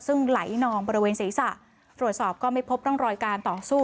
ซึ่งไหลนองบริเวณศีรษะตรวจสอบก็ไม่พบร่องรอยการต่อสู้